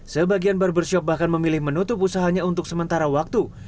sebagian barbershop bahkan memilih menutup usahanya untuk sementara waktu